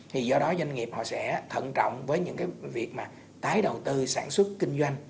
thì do đó doanh nghiệp họ sẽ thận trọng với những cái việc mà tái đầu tư sản xuất kinh doanh